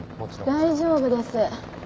大丈夫です。